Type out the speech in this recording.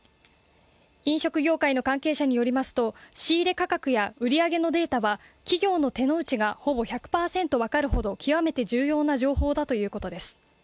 飲食業界の関係者によりますと仕入れ価格や売り上げのデータは企業の手のうちがほぼ１００％分かるほど極めて重要な情報だということです。